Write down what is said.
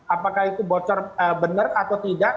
apakah itu bocor benar atau tidak